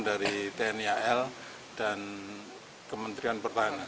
dari tni al dan kementerian pertahanan